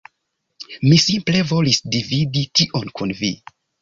Mi simple volis dividi tion kun vi